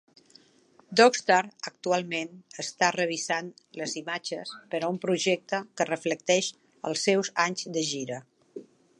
Dogstar actualment està revisant les imatges per a un projecte que reflecteix els seus anys de gira.